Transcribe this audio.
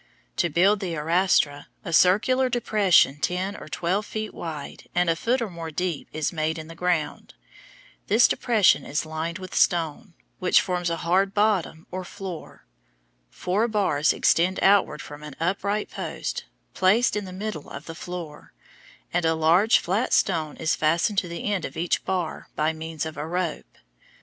To build an arastra, a circular depression ten or twelve feet wide and a foot or more deep is made in the ground. This depression is lined with stone, which forms a hard bottom or floor. Four bars extend outward from an upright post placed in the middle of the floor, and a large flat stone is fastened to the end of each bar by means of a rope.